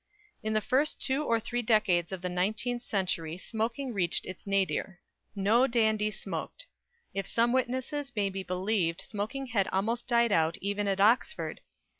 In the first two or three decades of the nineteenth century smoking reached its nadir. No dandy smoked. If some witnesses may be believed smoking had almost died out even at Oxford.